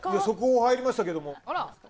速報入りましたけども。